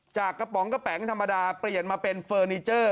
กระป๋องกระแป๋งธรรมดาเปลี่ยนมาเป็นเฟอร์นิเจอร์